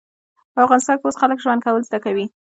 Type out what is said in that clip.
په افغانستان کې اوس خلک ژوند کول زده کوي